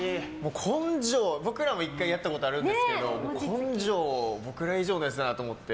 僕らも１回やったことあるんですけど根性、僕ら以上だなともって。